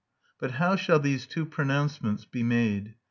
But how shall these two pronouncements be made?